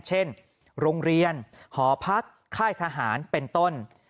เช่นโรงเรียนหอพักค่ายทหารเป็นต้น